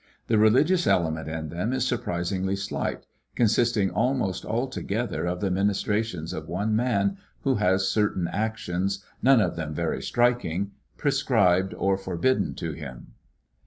The religious element in them is surprisingly slight, consisting almost altogether of the ministrations of one man who has cer tain actions, none of them very striking, prescribed or forbidden to him.